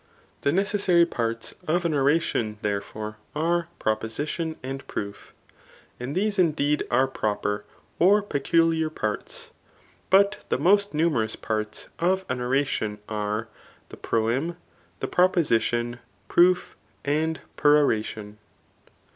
The necessary parts of an oration, therefore, are proposition and proof. And these, indeed, are proper or peculiar parts. Bat the most numerous parts of an oration are, the proem, the piDposition, proof, and peroration.